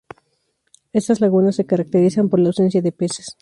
Estas lagunas se caracterizan por la ausencia de peces.